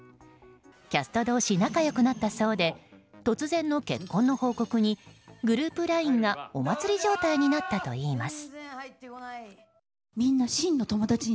キャスト同士仲良くなったそうで突然の結婚の報告にグループＬＩＮＥがお祭り状態になったといいます。